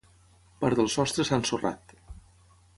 Part del sostre s'ha ensorrat.